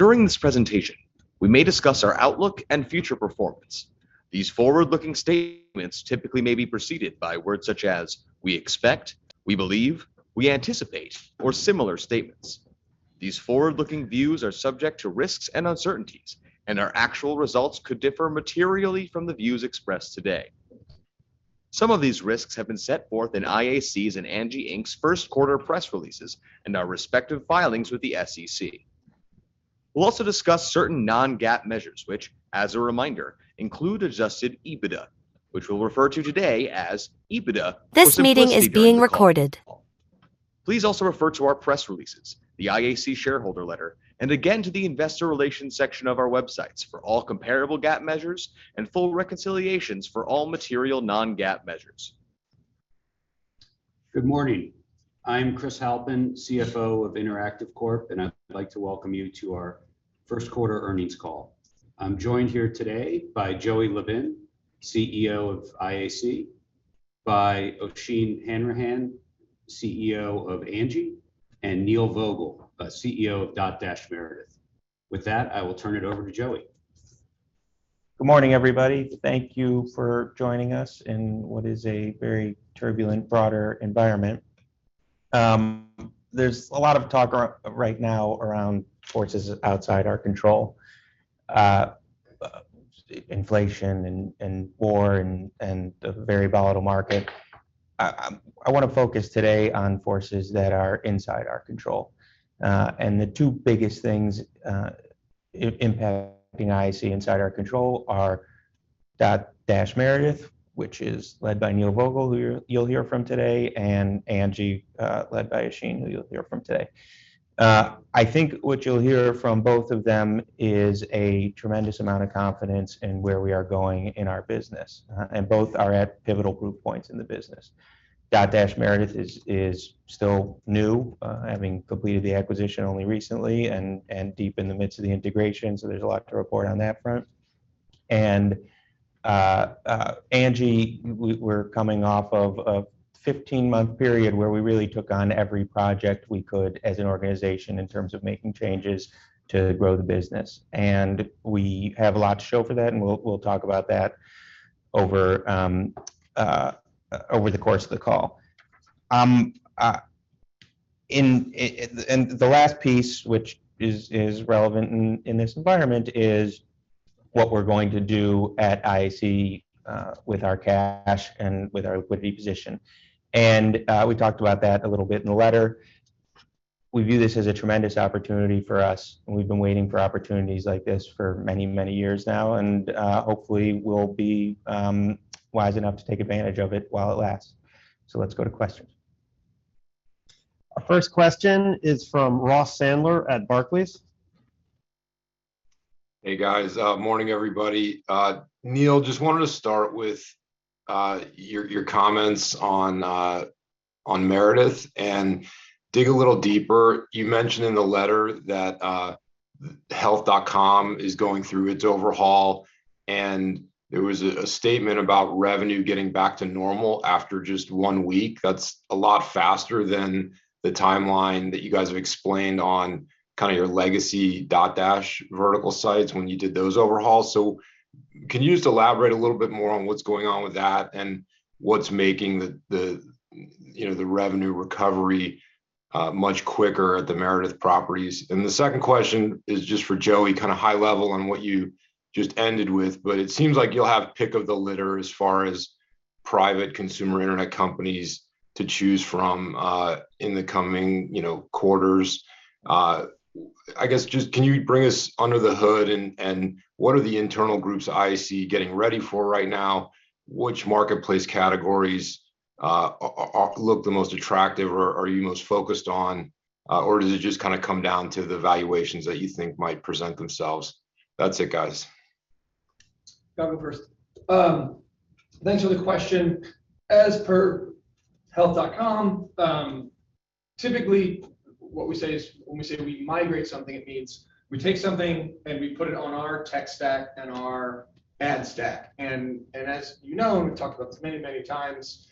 During this presentation, we may discuss our outlook and future performance. These forward-looking statements typically may be preceded by words such as "we expect," "we believe," "we anticipate," or similar statements. These forward-looking views are subject to risks and uncertainties, and our actual results could differ materially from the views expressed today. Some of these risks have been set forth in IAC's and Angi Inc.'s first quarter press releases and our respective filings with the SEC. We'll also discuss certain non-GAAP measures, which, as a reminder, include adjusted EBITDA, which we'll refer to today as EBITDA for simplicity during the call. This meeting is being recorded. Please also refer to our press releases, the IAC shareholder letter, and again to the investor relations section of our websites for all comparable GAAP measures and full reconciliations for all material non-GAAP measures. Good morning. I'm Chris Halpin, CFO of IAC, and I'd like to welcome you to our first quarter earnings call. I'm joined here today by Joey Levin, CEO of IAC, by Oisin Hanrahan, CEO of Angi, and Neil Vogel, CEO of Dotdash Meredith. With that, I will turn it over to Joey. Good morning, everybody. Thank you for joining us in what is a very turbulent, broader environment. There's a lot of talk right now around forces outside our control. Inflation and war and a very volatile market. I wanna focus today on forces that are inside our control. The two biggest things impacting IAC inside our control are Dotdash Meredith, which is led by Neil Vogel, who you'll hear from today, and Angi, led by Oisin, who you'll hear from today. I think what you'll hear from both of them is a tremendous amount of confidence in where we are going in our business, and both are at pivotal group points in the business. Dotdash Meredith is still new, having completed the acquisition only recently and deep in the midst of the integration, so there's a lot to report on that front. Angi, we're coming off of a 15-month period where we really took on every project we could as an organization in terms of making changes to grow the business. We have a lot to show for that, and we'll talk about that over the course of the call. The last piece which is relevant in this environment is what we're going to do at IAC with our cash and with our liquidity position. We talked about that a little bit in the letter. We view this as a tremendous opportunity for us, and we've been waiting for opportunities like this for many, many years now, and hopefully we'll be wise enough to take advantage of it while it lasts. Let's go to questions. Our first question is from Ross Sandler at Barclays. Hey, guys. Morning, everybody. Neil, just wanted to start with your comments on Meredith and dig a little deeper. You mentioned in the letter that Health.com is going through its overhaul, and there was a statement about revenue getting back to normal after just one week. That's a lot faster than the timeline that you guys have explained on kinda your legacy Dotdash vertical sites when you did those overhauls. Can you just elaborate a little bit more on what's going on with that, and what's making you know, the revenue recovery much quicker at the Meredith properties? The second question is just for Joey, kinda high level on what you just ended with, but it seems like you'll have pick of the litter as far as private consumer internet companies to choose from in the coming, you know, quarters. I guess just can you bring us under the hood and what are the internal groups IAC getting ready for right now? Which marketplace categories are looking the most attractive or are you most focused on, or does it just kinda come down to the valuations that you think might present themselves? That's it, guys. I'll go first. Thanks for the question. As per Health.com, typically what we say is, when we say we migrate something, it means we take something and we put it on our tech stack and our ad stack. As you know, and we've talked about this many, many times,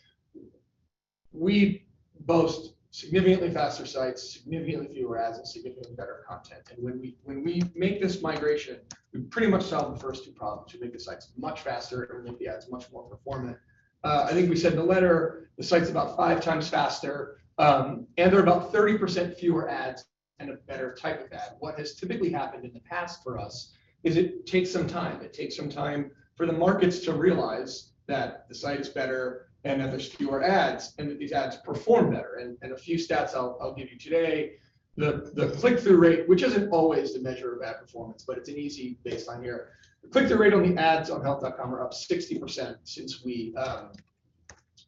we boast significantly faster sites, significantly fewer ads, and significantly better content. When we make this migration, we pretty much solve the first two problems, which make the sites much faster and make the ads much more performant. I think we said in the letter the site's about five times faster, and there are about 30% fewer ads and a better type of ad. What has typically happened in the past for us is it takes some time. It takes some time for the markets to realize that the site is better and that there's fewer ads, and that these ads perform better. A few stats I give you today, the click-through rate, which isn't always the measure of ad performance, but it's an easy baseline here. The click-through rate on the ads on Health.com are up 60% since we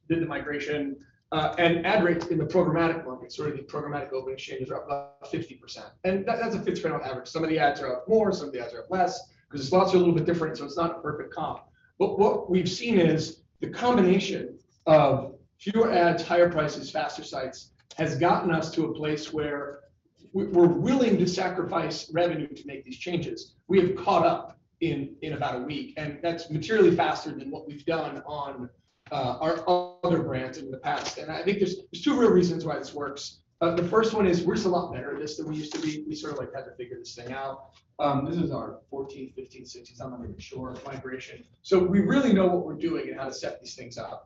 did the migration. Ad rates in the programmatic markets or the programmatic open exchange is up about 50%. That's a fixed rate on average. Some of the ads are up more, some of the ads are up less 'cause the slots are a little bit different, so it's not a perfect comp. But what we've seen is the combination of fewer ads, higher prices, faster sites has gotten us to a place where we're willing to sacrifice revenue to make these changes. We have caught up in about a week, and that's materially faster than what we've done on our other brands in the past. I think there's two real reasons why this works. The first one is we're just a lot better at this than we used to be. We sort of like had to figure this thing out. This is our 14th, 15th, 16th, I'm not even sure, migration. We really know what we're doing and how to set these things up.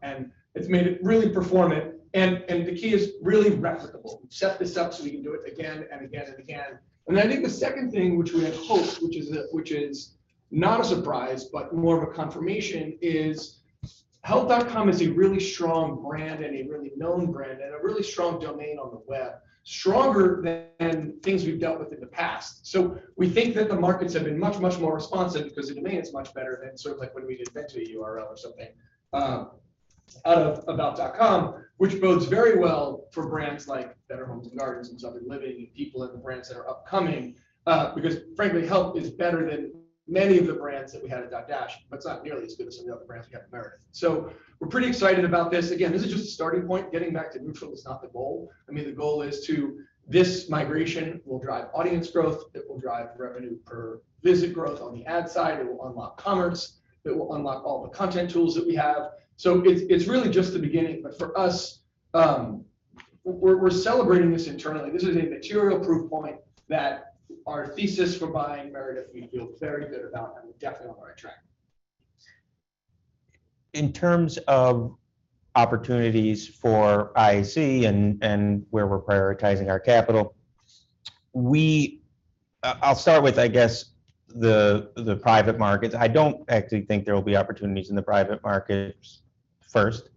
It's made it really performant and the key is really replicable. We've set this up so we can do it again and again and again. I think the second thing which we had hoped, which is not a surprise, but more of a confirmation, is Health.com is a really strong brand and a really known brand and a really strong domain on the web, stronger than things we've dealt with in the past. We think that the markets have b een much, much more responsive because the demand is much better than sort of like when we did Betty URL or something out of About.com, which bodes very well for brands like Better Homes & Gardens and Southern Living and People and the brands that are upcoming, because frankly, Health is better than many of the brands that we had at Dotdash, but it's not nearly as good as some of the other brands we have at Meredith. We're pretty excited about this. Again, this is just a starting point. Getting back to neutral is not the goal. I mean, the goal is this migration will drive audience growth. It will drive revenue per visit growth on the ad side. It will unlock commerce. It will unlock all the content tools that we have. It's really just the beginning. For us, we're celebrating this internally. This is a material proof point that our thesis for buying Meredith, we feel very good about and we're definitely on the right track. In terms of opportunities for IAC and where we're prioritizing our capital, we'll start with, I guess, the private markets. I don't actually think there will be opportunities in the private markets first.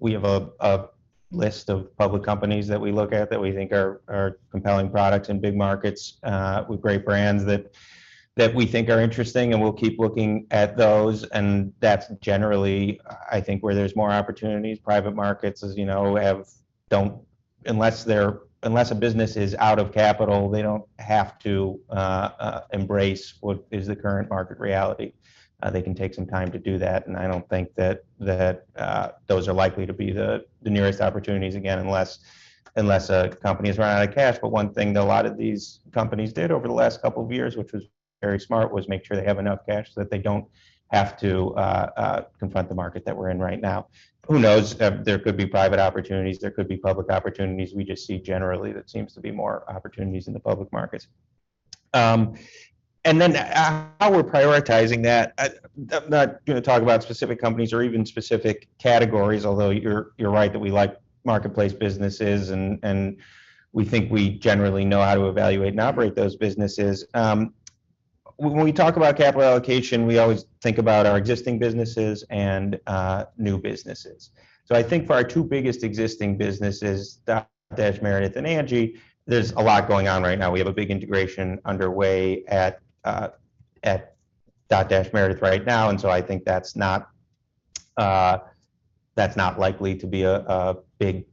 We have a list of public companies that we look at that we think are compelling products in big markets with great brands that we think are interesting, and we'll keep looking at those. That's generally I think where there's more opportunities. Private markets, as you know, don't unless a business is out of capital, they don't have to embrace what is the current market reality. They can take some time to do that, and I don't think that those are likely to be the nearest opportunities, again, unless a company's run out of cash. One thing that a lot of these companies did over the last couple of years, which was very smart, was make sure they have enough cash so that they don't have to confront the market that we're in right now. Who knows? There could be private opportunities. There could be public opportunities. We just see generally that seems to be more opportunities in the public markets. And then how we're prioritizing that, I'm not gonna talk about specific companies or even specific categories, although you're right that we like marketplace businesses and we think we generally know how to evaluate and operate those businesses. When we talk about capital allocation, we always think about our existing businesses and new businesses. I think for our two biggest existing businesses, Dotdash Meredith and Angi, there's a lot going on right now. We have a big integration underway at Dotdash Meredith right now, and so I think that's not likely to be a big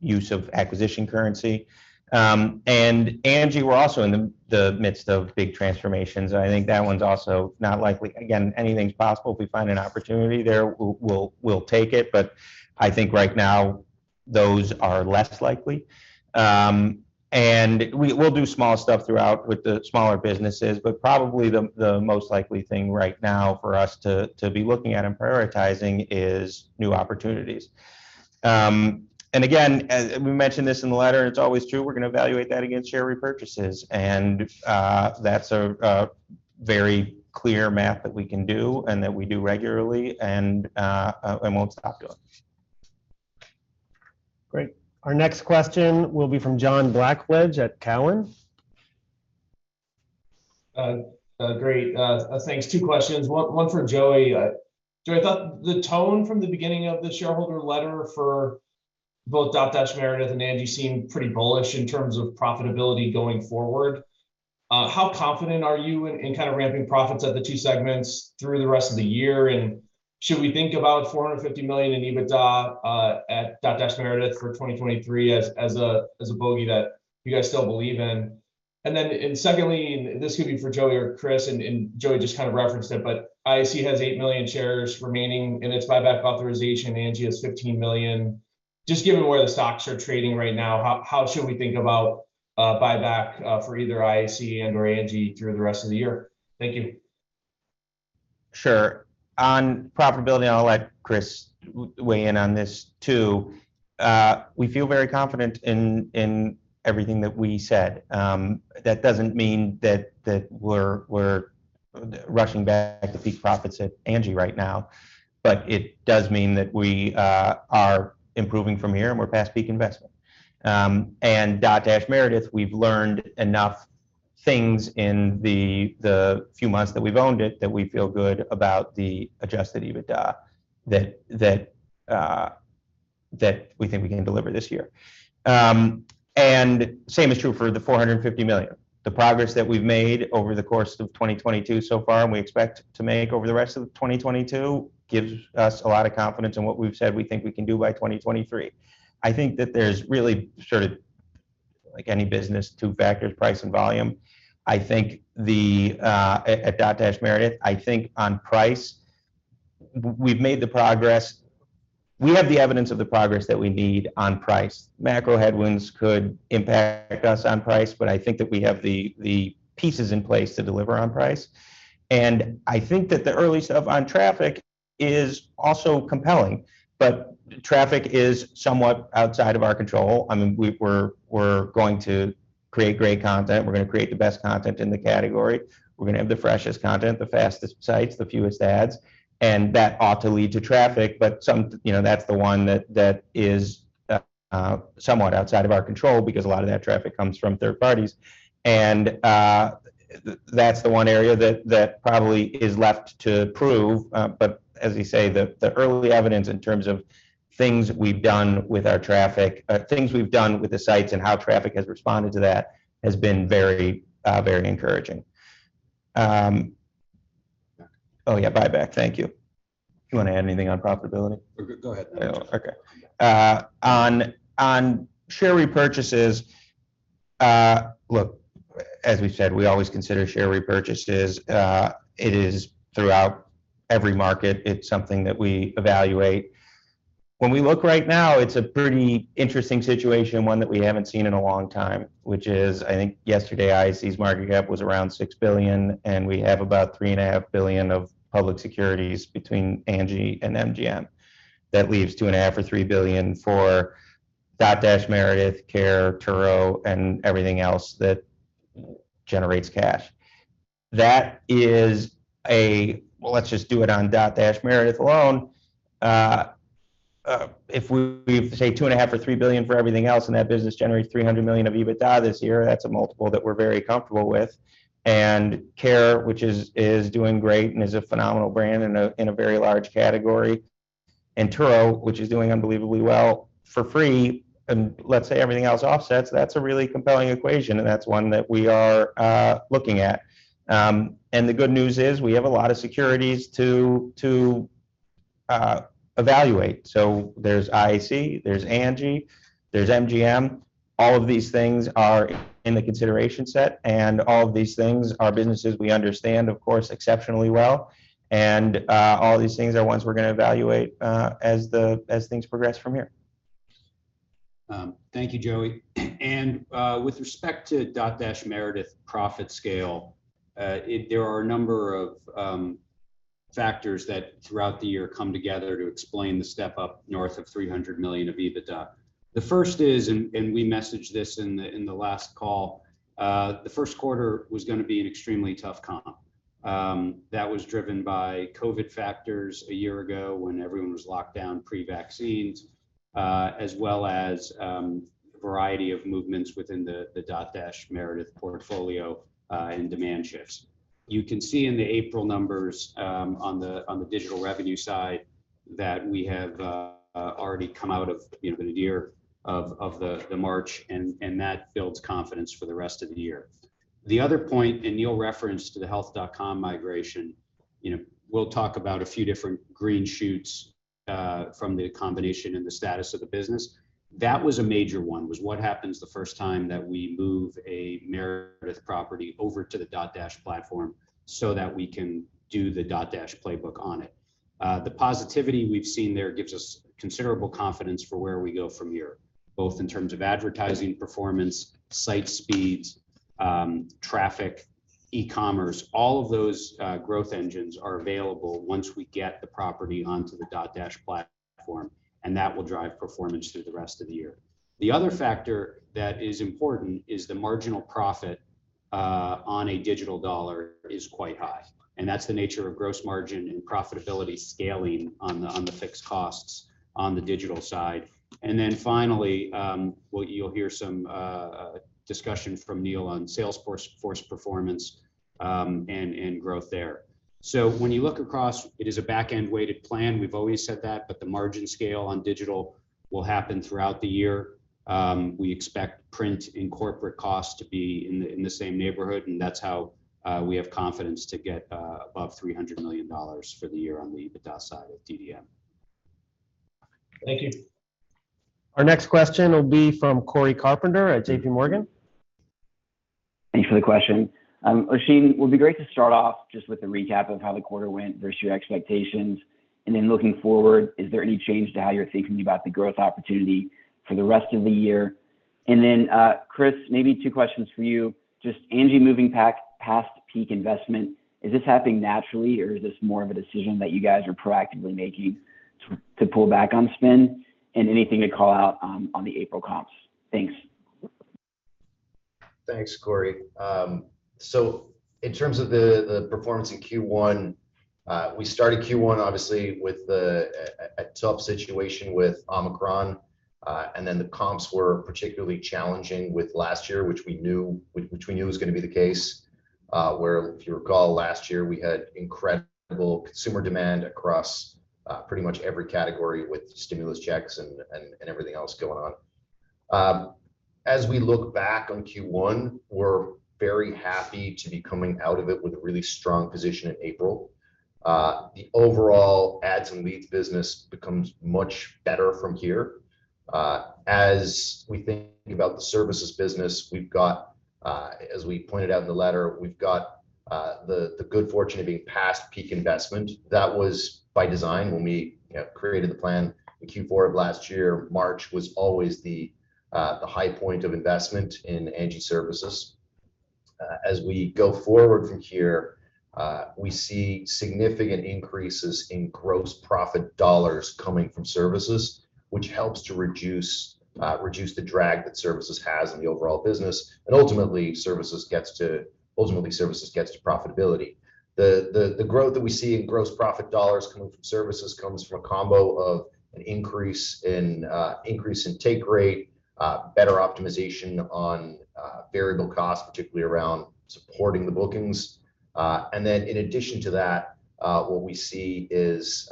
use of acquisition currency. Angi, we're also in the midst of big transformations. I think that one's also not likely. Again, anything's possible. If we find an opportunity there, we'll take it. I think right now those are less likely. We'll do small stuff throughout with the smaller businesses, but probably the most likely thing right now for us to be looking at and prioritizing is new opportunities. Again, as we mentioned this in the letter, and it's always true, we're gonna evaluate that against share repurchases. That's a very clear math that we can do and that we do regularly, and we'll just have to. Great. Our next question will be from John Blackledge at Cowen. Great. Thanks. 2 questions. One for Joey. Joey, I thought the tone from the beginning of the shareholder letter for both Dotdash Meredith and Angi seemed pretty bullish in terms of profitability going forward. How confident are you in kind of ramping profits at the two segments through the rest of the year? Should we think about $450 million in EBITDA at Dotdash Meredith for 2023 as a bogey that you guys still believe in? Secondly, this could be for Joey or Chris, and Joey just kind of referenced it, but IAC has 8 million shares remaining in its buyback authorization. Angi has 15 million. Just given where the stocks are trading right now, how should we think about buyback for either IAC and/or Angi through the rest of the year? Thank you. Sure. On profitability, and I'll let Chris weigh in on this too. We feel very confident in everything that we said. That doesn't mean that we're rushing back to peak profits at Angi right now. It does mean that we are improving from here, and we're past peak investment. Dotdash Meredith, we've learned enough things in the few months that we've owned it that we feel good about the adjusted EBITDA that we think we can deliver this year. Same is true for the $450 million. The progress that we've made over the course of 2022 so far, and we expect to make over the rest of 2022, gives us a lot of confidence in what we've said we think we can do by 2023. I think that there's really sort of like any business, two factors, price and volume. I think that at Dotdash Meredith, I think on price we've made the progress. We have the evidence of the progress that we need on price. Macro headwinds could impact us on price, but I think that we have the pieces in place to deliver on price. I think that the early stuff on traffic is also compelling, but traffic is somewhat outside of our control. I mean, we're going to create great content. We're gonna create the best content in the category. We're gonna have the freshest content, the fastest sites, the fewest ads, and that ought to lead to traffic. You know, that's the one that is somewhat outside of our control because a lot of that traffic comes from third parties. that's the one area that probably is left to prove. As you say, the early evidence in terms of things we've done with our traffic, things we've done with the sites and how traffic has responded to that has been very, very encouraging. Buyback. Oh,, buyback. Thank you. Do you want to add anything on profitability? Go ahead. On share repurchases, look, as we said, we always consider share repurchases. It is throughout every market, it's something that we evaluate. When we look right now, it's a pretty interesting situation, one that we haven't seen in a long time, which is, I think yesterday IAC's market cap was around $6 billion, and we have about $3.5 billion of public securities between Angi and MGM. That leaves $2.5-$3 billion for Dotdash Meredith, Care.com, Turo, and everything else that generates cash. That is a. Well, let's just do it on Dotdash Meredith alone. If we say $2.5-$3 billion for everything else, and that business generates $300 million of EBITDA this year, that's a multiple that we're very comfortable with. Care.com, which is doing great and is a phenomenal brand in a very large category, and Turo, which is doing unbelievably well for free, and let's say everything else offsets, that's a really compelling equation, and that's one that we are looking at. The good news is we have a lot of securities to evaluate. There's IAC, there's Angi, there's MGM. All of these things are in the consideration set, and all of these things are businesses we understand, of course, exceptionally well. All these things are ones we're going to evaluate as things progress from here. Thank you, Joey. With respect to Dotdash Meredith profit scale, there are a number of factors that throughout the year come together to explain the step up north of $300 million of EBITDA. The first is, we messaged this in the last call, the first quarter was gonna be an extremely tough comp. That was driven by COVID factors a year ago when everyone was locked down pre-vaccines, as well as a variety of movements within the Dotdash Meredith portfolio, and demand shifts. You can see in the April numbers, on the digital revenue side that we have already come out of, you know, the nadir of the March, and that builds confidence for the rest of the year. The other point, and Neil referenced to the Health.com migration, you know, we'll talk about a few different green shoots, from the combination and the status of the business. That was a major one, was what happens the first time that we move a Meredith property over to the Dotdash platform so that we can do the Dotdash playbook on it. The positivity we've seen there gives us considerable confidence for where we go from here, both in terms of advertising performance, site speeds, traffic, e-commerce. All of those, growth engines are available once we get the property onto the Dotdash platform, and that will drive performance through the rest of the year. The other factor that is important is the marginal profit on a digital dollar is quite high, and that's the nature of gross margin and profitability scaling on the fixed costs on the digital side. Then finally, well, you'll hear some discussion from Neil on sales force performance and growth there. When you look across, it is a back-end-weighted plan. We've always said that, but the margin scale on digital will happen throughout the year. We expect print and corporate costs to be in the same neighborhood, and that's how we have confidence to get above $300 million for the year on the EBITDA side of DDM. Thank you. Our next question will be from Cory Carpenter at J.P. Morgan. Thank you for the question. Oisin Hanrahan, it would be great to start off just with a recap of how the quarter went versus your expectations. Then looking forward, is there any change to how you're thinking about the growth opportunity for the rest of the year? Then, Chris, maybe two questions for you. Just Angi moving past peak investment, is this happening naturally, or is this more of a decision that you guys are proactively making to pull back on spend? Anything to call out on the April comps? Thanks. Thanks, Cory. So in terms of the performance in Q1, we started Q1 obviously with a tough situation with Omicron, and then the comps were particularly challenging with last year, which we knew was gonna be the case. Where if you recall last year, we had incredible consumer demand across pretty much every category with stimulus checks and everything else going on. As we look back on Q1, we're very happy to be coming out of it with a really strong position in April. The overall ads and leads business becomes much better from here. As we think about the services business, as we pointed out in the letter, we've got the good fortune of being past peak investment. That was by design when we created the plan in Q4 of last year. March was always the high point of investment in Angi Services. As we go forward from here, we see significant increases in gross profit dollars coming from services, which helps to reduce the drag that services has on the overall business, and ultimately, services gets to profitability. The growth that we see in gross profit dollars coming from services comes from a combo of an increase in take rate, better optimization on variable costs, particularly around supporting the bookings. In addition to that, what we see is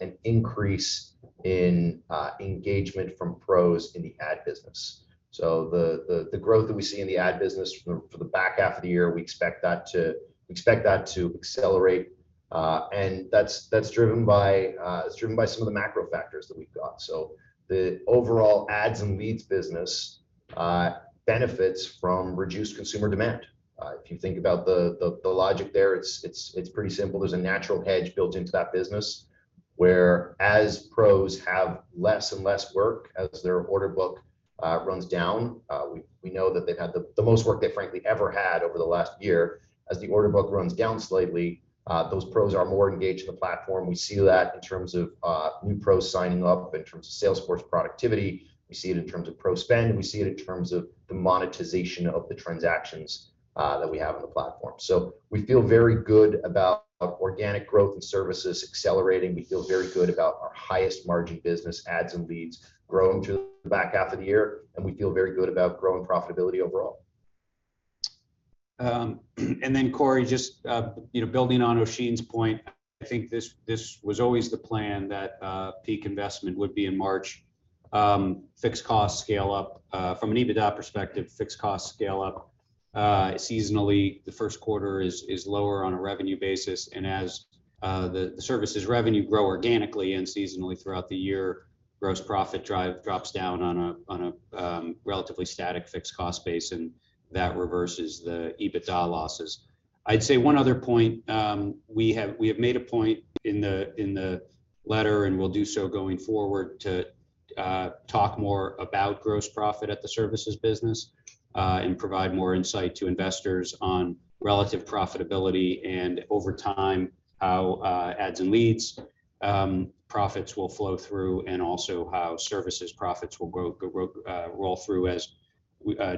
an increase in engagement from pros in the ad business. The growth that we see in the ad business for the back half of the year, we expect that to accelerate. That's driven by some of the macro factors that we've got. The overall ads and leads business benefits from reduced consumer demand. If you think about the logic there, it's pretty simple. There's a natural hedge built into that business whereas pros have less and less work, as their order book runs down, we know that they've had the most work they've frankly ever had over the last year. As the order book runs down slightly, those pros are more engaged in the platform. We see that in terms of new pros signing up, in terms of sales force productivity. We see it in terms of pro spend, and we see it in terms of the monetization of the transactions that we have on the platform. We feel very good about organic growth and services accelerating. We feel very good about our highest margin business, ads and leads, growing through the back half of the year, and we feel very good about growing profitability overall. Cory, just building on Oisin's point, I think this was always the plan that peak investment would be in March. Fixed cost scale up from an EBITDA perspective, seasonally the first quarter is lower on a revenue basis. As the services revenue grow organically and seasonally throughout the year, gross profit dollars drop down on a relatively static fixed cost base, and that reverses the EBITDA losses. I'd say one other point, we have made a point in the letter, and we'll do so going forward, to talk more about gross profit at the services business, and provide more insight to investors on relative profitability and over time how ads and leads profits will flow through, and also how services profits will grow, roll through, as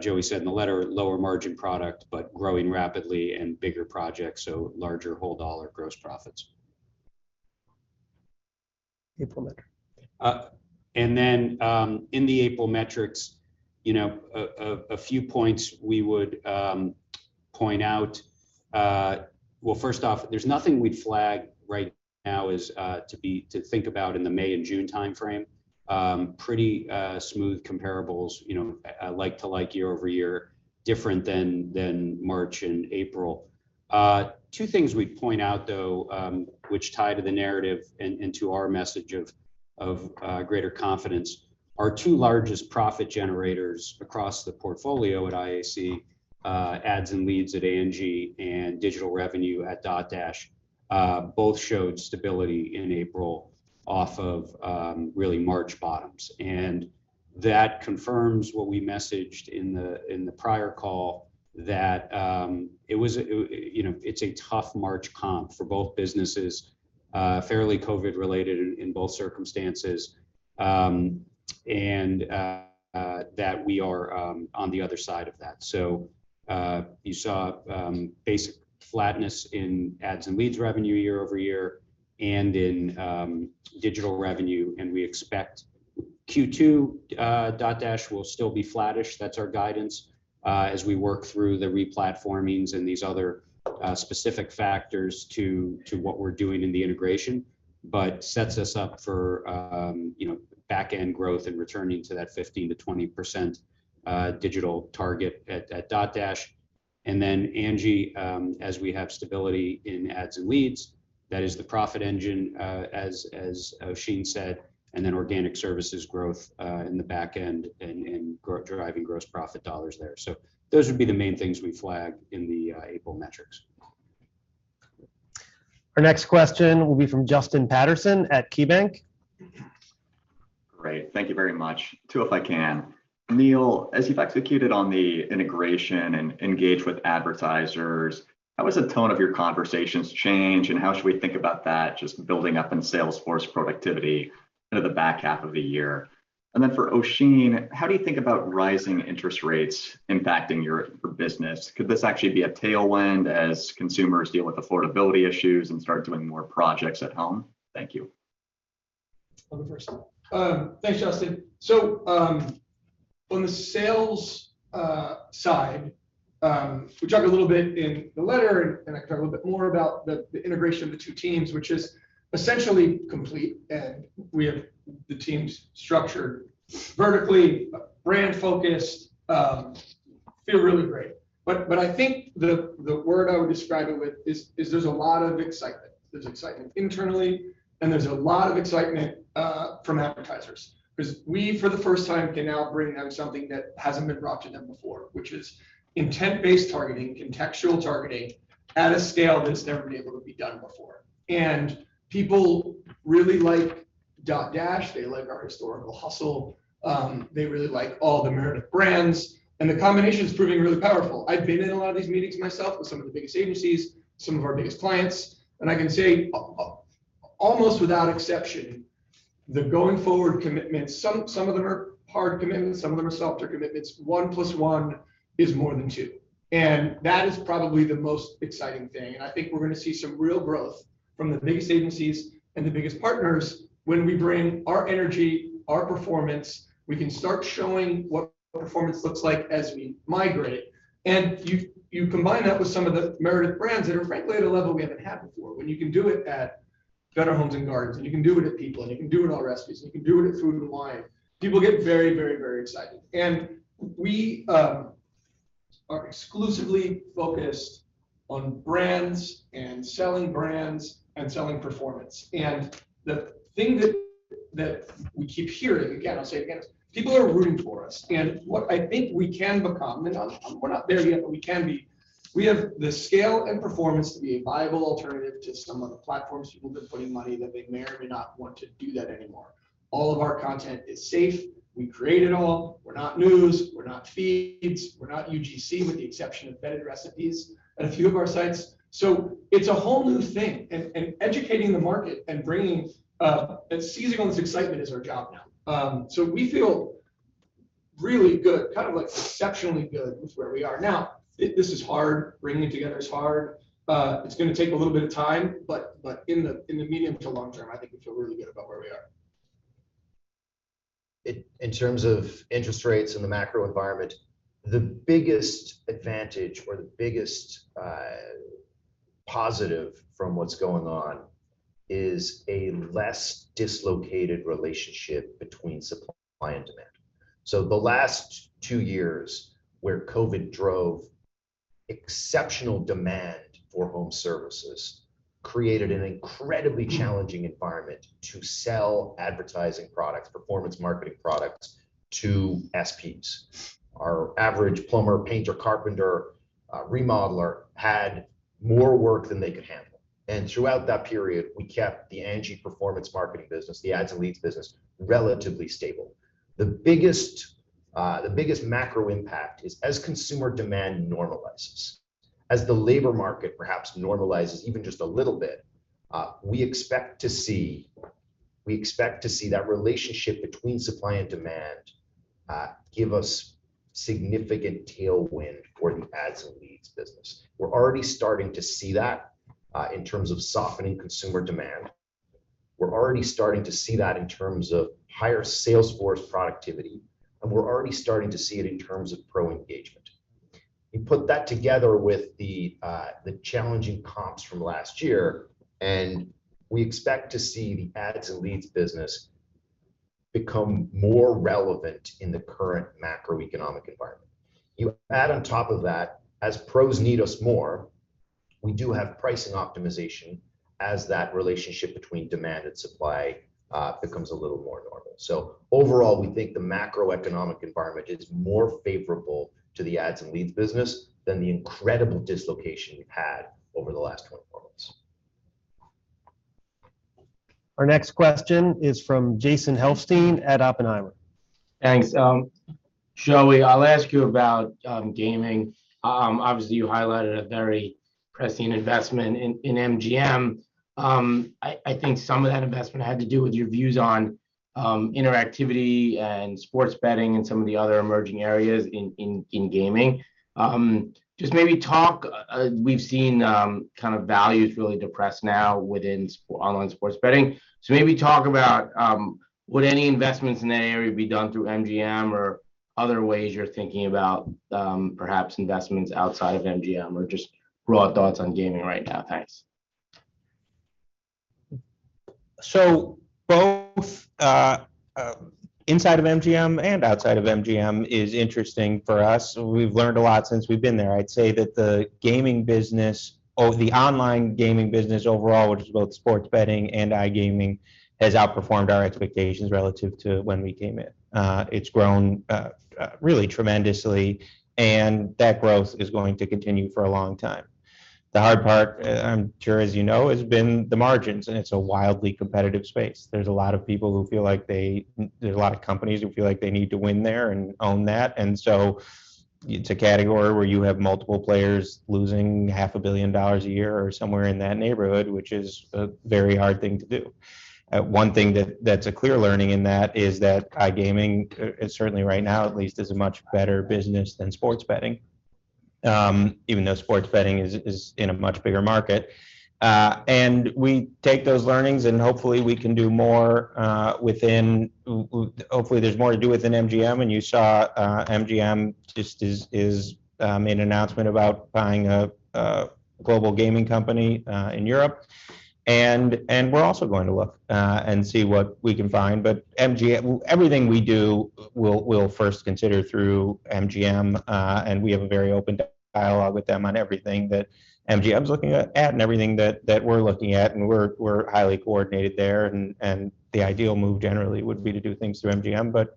Joey said in the letter, lower margin product, but growing rapidly and bigger projects, so larger whole dollar gross profits. April metric. In the April metrics, you know, a few points we would point out. Well, first off, there's nothing we'd flag right now as to think about in the May and June timeframe. Pretty smooth comparables, you know, like to like year-over-year, different than March and April. Two things we'd point out though, which tie to the narrative and to our message of greater confidence. Our two largest profit generators across the portfolio at IAC, ads and leads at ANGI and digital revenue at Dotdash, both showed stability in April off of really March bottoms. That confirms what we messaged in the prior call that it was a you know it's a tough March comp for both businesses fairly COVID related in both circumstances that we are on the other side of that. You saw basic flatness in ads and leads revenue year-over-year and in digital revenue and we expect Q2 Dotdash will still be flattish. That's our guidance as we work through the re-platformings and these other specific factors to what we're doing in the integration but sets us up for you know backend growth and returning to that 15%-20% digital target at Dotdash. ANGI, as we have stability in ads and leads, that is the profit engine, as Oisin said, and then organic services growth in the back end and driving gross profit dollars there. Those would be the main things we flag in the April metrics. Our next question will be from Justin Patterson at KeyBanc Capital Markets. Great. Thank you very much. Two, if I can. Neil, as you've executed on the integration and engaged with advertisers, how has the tone of your conversations changed, and how should we think about that just building up in sales force productivity into the back half of the year? Then for Oisin, how do you think about rising interest rates impacting your business? Could this actually be a tailwind as consumers deal with affordability issues and start doing more projects at home? Thank you. I'll go first. Thanks, Justin. On the sales side, we talked a little bit in the letter and I can talk a little bit more about the integration of the two teams, which is essentially complete, and we have the teams structured vertically, brand-focused. Feel really great. I think the word I would describe it with is there's a lot of excitement. There's excitement internally, and there's a lot of excitement from advertisers. Because we, for the first time, can now bring them something that hasn't been brought to them before, which is intent-based targeting, contextual targeting at a scale that's never been able to be done before. People really like Dotdash. They like our historical hustle, they really like all the Meredith brands. The combination is proving really powerful. I've been in a lot of these meetings myself with some of the biggest agencies, some of our biggest clients, and I can say almost without exception, the going forward commitments, some of them are hard commitments, some of them are softer commitments. One plus one is more than two. That is probably the most exciting thing. I think we're gonna see some real growth from the biggest agencies and the biggest partners when we bring our energy, our performance. We can start showing what performance looks like as we migrate. You combine that with some of the Meredith brands that are frankly at a level we haven't had before. When you can do it at Better Homes & Gardens, and you can do it at People, and you can do it on Allrecipes, and you can do it at Food & Wine, people get very excited. We are exclusively focused on brands and selling brands and selling performance. The thing that we keep hearing, again, I'll say it again, is people are rooting for us. What I think we can become, we're not there yet, but we can be. We have the scale and performance to be a viable alternative to some of the platforms people have been putting money that they may or may not want to do that anymore. All of our content is safe. We create it all. We're not news. We're not feeds. We're not UGC with the exception of vetted recipes at a few of our sites. It's a whole new thing. Educating the market and bringing and seizing on this excitement is our job now. We feel really good, kind of like exceptionally good with where we are now. This is hard. Bringing it together is hard. It's gonna take a little bit of time, but in the medium to long term, I think we feel really good about where we are. In terms of interest rates and the macro environment, the biggest advantage or the positive from what's going on is a less dislocated relationship between supply and demand. The last two years where COVID drove exceptional demand for home services created an incredibly challenging environment to sell advertising products, performance marketing products to SPs. Our average plumber, painter, carpenter, remodeler had more work than they could handle. Throughout that period, we kept the Angi performance marketing business, the ads and leads business, relatively stable. The biggest macro impact is as consumer demand normalizes, as the labor market perhaps normalizes even just a little bit, we expect to see that relationship between supply and demand give us significant tailwind for the ads and leads business. We're already starting to see that in terms of softening consumer demand. We're already starting to see that in terms of higher sales force productivity, and we're already starting to see it in terms of pro engagement. You put that together with the challenging comps from last year, and we expect to see the ads and leads business become more relevant in the current macroeconomic environment. You add on top of that, as pros need us more, we do have pricing optimization as that relationship between demand and supply becomes a little more normal. Overall, we think the macroeconomic environment is more favorable to the ads and leads business than the incredible dislocation we've had over the last 12 months. Our next question is from Jason Helfstein at Oppenheimer. Thanks. Joey, I'll ask you about gaming. Obviously, you highlighted a very prescient investment in MGM. I think some of that investment had to do with your views on interactivity and sports betting and some of the other emerging areas in gaming. Just maybe talk. We've seen kind of values really depressed now within online sports betting. Maybe talk about would any investments in that area be done through MGM or other ways you're thinking about perhaps investments outside of MGM, or just broad thoughts on gaming right now. Thanks. Both inside of MGM and outside of MGM is interesting for us. We've learned a lot since we've been there. I'd say that the gaming business, or the online gaming business overall, which is both sports betting and iGaming, has outperformed our expectations relative to when we came in. It's grown really tremendously, and that growth is going to continue for a long time. The hard part, I'm sure as you know, has been the margins, and it's a wildly competitive space. There's a lot of companies who feel like they need to win there and own that. It's a category where you have multiple players losing half a billion dollars a year or somewhere in that neighborhood, which is a very hard thing to do. One thing that's a clear learning in that is that iGaming, certainly right now at least, is a much better business than sports betting, even though sports betting is in a much bigger market. We take those learnings, and hopefully we can do more, hopefully there's more to do within MGM. You saw MGM just made an announcement about buying a Global gaming company in Europe. We're also going to look and see what we can find. MGM. Everything we do we'll first consider through MGM, and we have a very open dialogue with them on everything that MGM's looking at, and everything that we're looking at, and we're highly coordinated there. The ideal move generally would be to do things through MGM.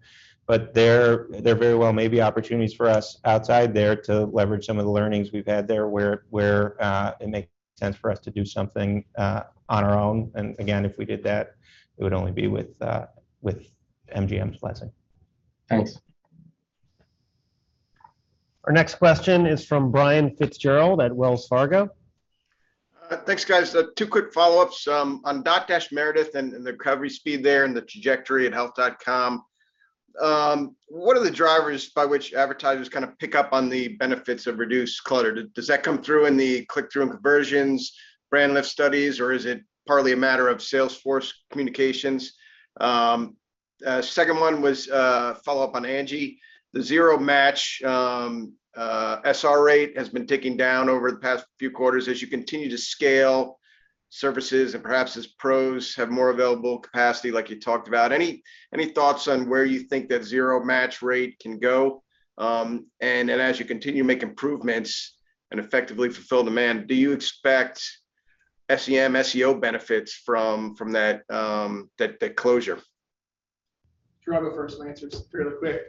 There very well may be opportunities for us outside there to leverage some of the learnings we've had there, where it makes sense for us to do something on our own. Again, if we did that, it would only be with MGM's blessing. Thanks. Our next question is from Brian Fitzgerald at Wells Fargo. Thanks, guys. Two quick follow-ups. On Dotdash Meredith and the recovery speed there and the trajectory at Health.com. What are the drivers by which advertisers kind of pick up on the benefits of reduced clutter? Does that come through in the click-through and conversions brand lift studies, or is it partly a matter of sales force communications? Second one was a follow-up on Angi. The zero match SR rate has been ticking down over the past few quarters as you continue to scale services and perhaps as pros have more available capacity like you talked about. Any thoughts on where you think that zero match rate can go? Then as you continue to make improvements and effectively fulfill demand, do you expect SEM, SEO benefits from that closure? Sure, I'll go first, and I'll answer this fairly quickly.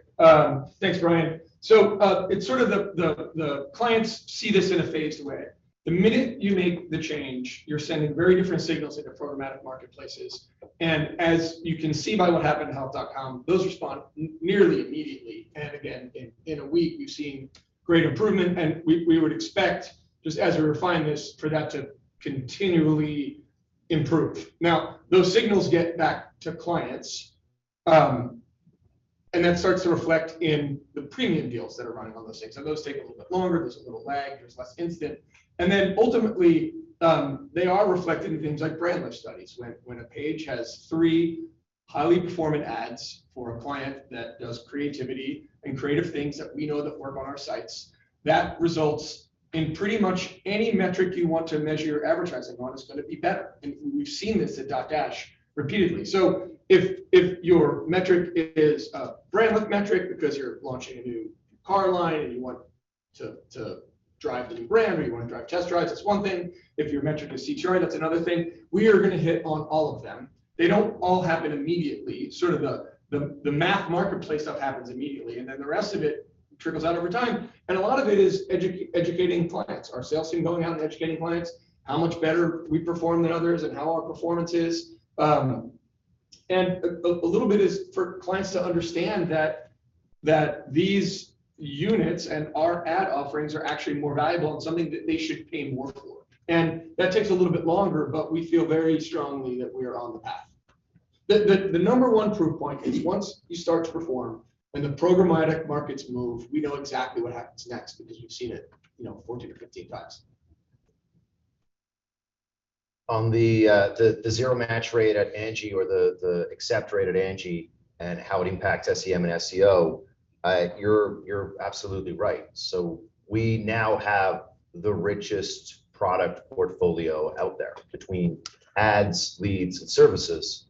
Thanks, Brian. It's sort of the clients see this in a phased way. The minute you make the change, you're sending very different signals into programmatic marketplaces. As you can see by what happened to Health.com, those respond nearly immediately. Again, in a week, we've seen great improvement, and we would expect, just as we refine this, for that to continually improve. Now, those signals get back to clients, and that starts to reflect in the premium deals that are running on those sites. Those take a little bit longer. There's a little lag. There's less instantly. Ultimately, they are reflected in things like brand lift studies. When a page has three highly performant ads for a client that does creativity and creative things that we know that work on our sites, that results in pretty much any metric you want to measure your advertising on is gonna be better. We've seen this at Dotdash repeatedly. If your metric is a brand lift metric because you're launching a new car line, and you want to drive to the brand, or you wanna drive test drives, that's one thing. If your metric is CTR, that's another thing. We are gonna hit on all of them. They don't all happen immediately. Sort of the math marketplace stuff happens immediately, and then the rest of it trickles out over time. A lot of it is educating clients, our sales team going out and educating clients, how much better we perform than others and how our performance is. A little bit is for clients to understand that these units and our ad offerings are actually more valuable and something that they should pay more for. That takes a little bit longer, but we feel very strongly that we are on the path. The number one proof point is once you start to perform and the programmatic markets move, we know exactly what happens next because we've seen it, you know, 14 or 15 times. On the zero match rate at Angi or the accept rate at Angi and how it impacts SEM and SEO, you're absolutely right. We now have the richest product portfolio out there between ads, leads, and services.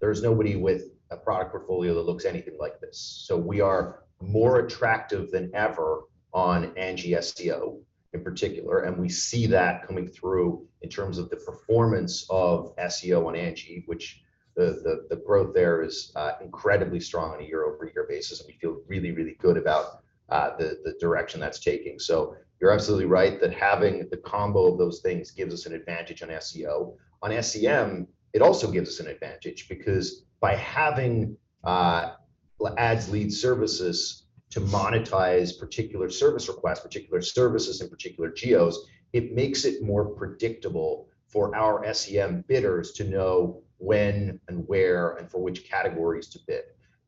There's nobody with a product portfolio that looks anything like this. We are more attractive than ever on Angi SEO in particular, and we see that coming through in terms of the performance of SEO on Angi, which the growth there is incredibly strong on a year-over-year basis, and we feel really, really good about the direction that's taking. You're absolutely right that having the combo of those things gives us an advantage on SEO. On SEM, it also gives us an advantage because by having ads, leads, services to monetize particular service requests, particular services in particular geos, it makes it more predictable for our SEM bidders to know when and where and for which categories to bid.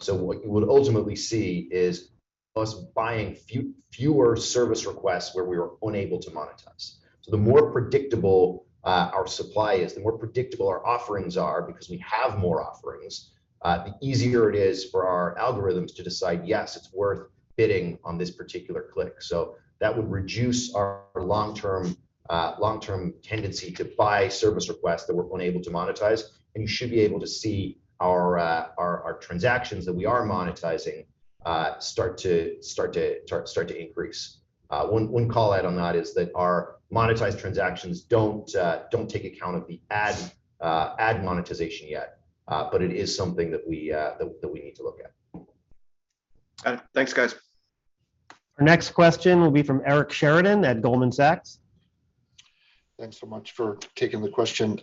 What you would ultimately see is us buying fewer service requests where we were unable to monetize. The more predictable our supply is, the more predictable our offerings are because we have more offerings, the easier it is for our algorithms to decide, yes, it's worth bidding on this particular click. That would reduce our long-term tendency to buy service requests that we're unable to monetize. You should be able to see our transactions that we are monetizing start to increase. One call out on that is that our monetized transactions don't take account of the ad monetization yet. It is something that we need to look at. Got it. Thanks, guys. Our next question will be from Eric Sheridan at Goldman Sachs. Thanks so much for taking the question.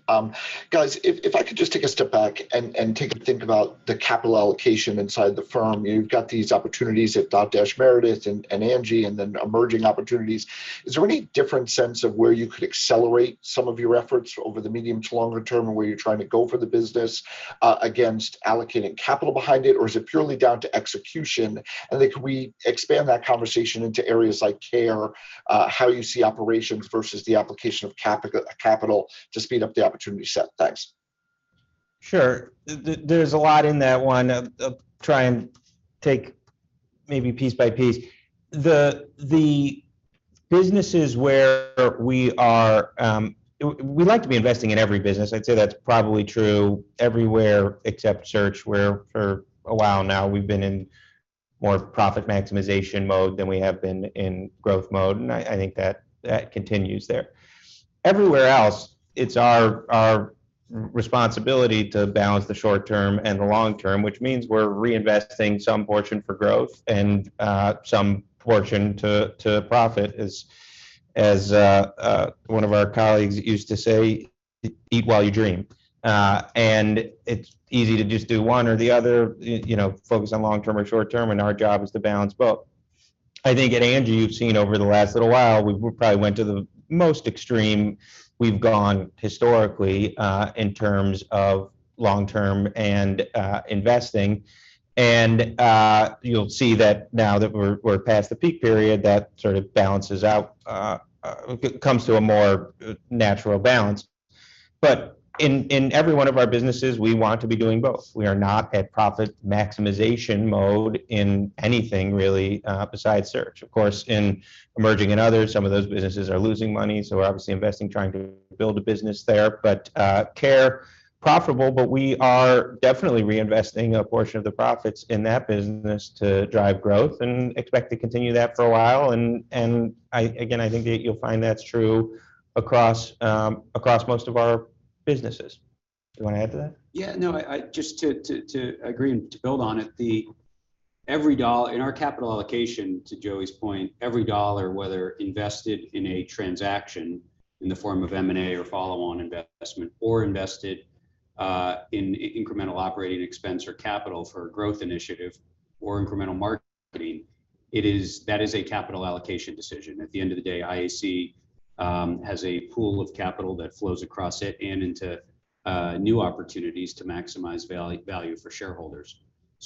Guys, if I could just take a step back and take a think about the capital allocation inside the firm. You've got these opportunities at Dotdash Meredith and Angi and then emerging opportunities. Is there any different sense of where you could accelerate some of your efforts over the medium to longer term and where you're trying to go for the business against allocating capital behind it? Or is it purely down to execution? Then could we expand that conversation into areas like Care, how you see operations versus the application of capital to speed up the opportunity set? Thanks. Sure. There's a lot in that one. I'll try and take maybe piece by piece. The businesses where we are. We like to be investing in every business. I'd say that's probably true everywhere except search, where for a while now we've been in more profit maximization mode than we have been in growth mode, and I think that continues there. Everywhere else, it's our responsibility to balance the short term and the long term, which means we're reinvesting some portion for growth and some portion to profit. As one of our colleagues used to say, "Eat while you dream." It's easy to just do one or the other, you know, focus on long-term or short-term, and our job is to balance both. I think at Angi you've seen over the last little while, we probably went to the most extreme we've gone historically, in terms of long-term and investing. You'll see that now that we're past the peak period, that sort of balances out, it comes to a more natural balance. In every one of our businesses, we want to be doing both. We are not at profit maximization mode in anything really, besides search. Of course, in emerging and others, some of those businesses are losing money, so we're obviously investing trying to build a business there. Care.com profitable, but we are definitely reinvesting a portion of the profits in that business to drive growth and expect to continue that for a while. I think that you'll find that's true across most of our businesses. Do you want to add to that? No, I just to agree and to build on it. Every dollar in our capital allocation, to Joey's point, every dollar, whether invested in a transaction in the form of M&A or follow-on investment, or invested in incremental operating expense or capital for a growth initiative or incremental marketing, that is a capital allocation decision. At the end of the day, IAC has a pool of capital that flows across it and into new opportunities to maximize value for shareholders.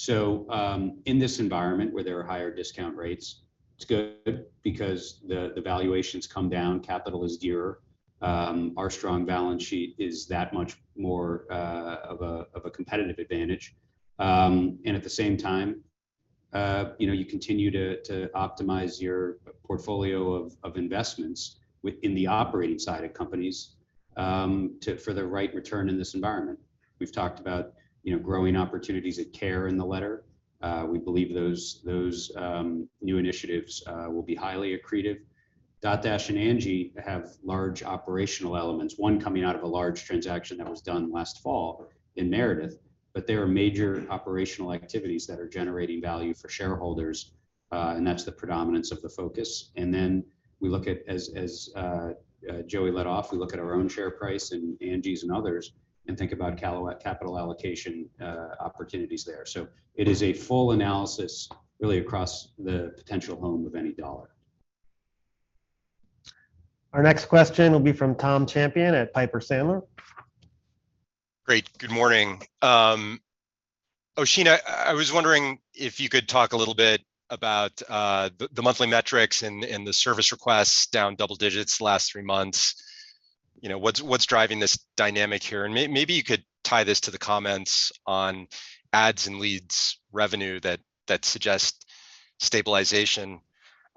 In this environment where there are higher discount rates, it's good because the valuations come down, capital is dearer, our strong balance sheet is that much more of a competitive advantage. At the same time, you know, you continue to optimize your portfolio of investments in the operating side of companies, for the right return in this environment. We've talked about, you know, growing opportunities at Care.com in the letter. We believe those new initiatives will be highly accretive. Dotdash and Angi have large operational elements, one coming out of a large transaction that was done last fall in Meredith. There are major operational activities that are generating value for shareholders, and that's the predominance of the focus. We look at, as Joey led off, our own share price and Angi's and others and think about capital allocation opportunities there. It is a full analysis really across the potential home for any dollar. Our next question will be from Tom Champion at Piper Sandler. Great. Good morning. Oisin Hanrahan, I was wondering if you could talk a little bit about the monthly metrics and the service requests down double digits the last three months. You know, what's driving this dynamic here? Maybe you could tie this to the comments on ads and leads revenue that suggests stabilization.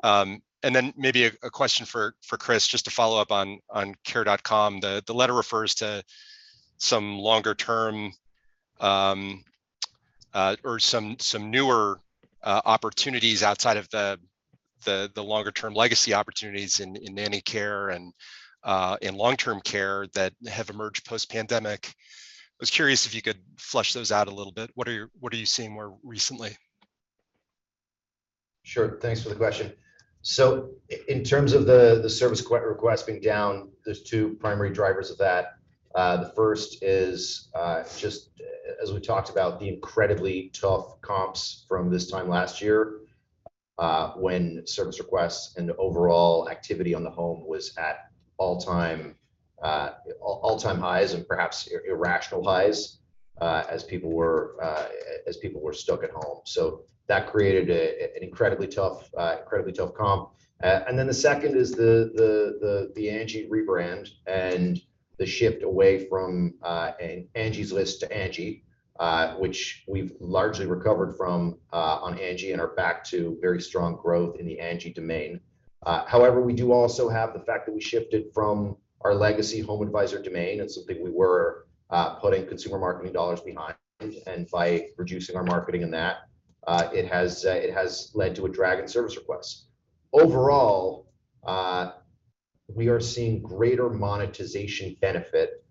Then maybe a question for Chris, just to follow up on Care.com. The letter refers to some longer-term or some newer opportunities outside of the longer-term legacy opportunities in nanny care and in long-term care that have emerged post-pandemic. I was curious if you could flesh those out a little bit. What are you seeing more recently? Sure. Thanks for the question. In terms of the service request being down, there's two primary drivers of that. The first is, just as we talked about, the incredibly tough comps from this time last year, when service requests and overall activity on the home was at all-time highs and perhaps irrational highs, as people were stuck at home. That created an incredibly tough comp. Then the second is the Angi rebrand and the shift away from Angie's List to Angi, which we've largely recovered from, on Angi and are back to very strong growth in the Angi domain. However, we do also have the fact that we shifted from our legacy HomeAdvisor domain. It's something we were putting consumer marketing dollars behind. By reducing our marketing in that, it has led to a drag in service requests. Overall, we are seeing greater monetization benefit